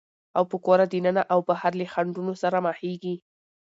او په کوره دننه او بهر له خنډونو سره مخېږي،